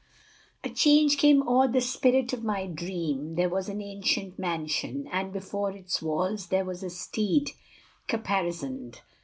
III A change came o'er the spirit of my dream. There was an ancient mansion, and before Its walls there was a steed caparisoned.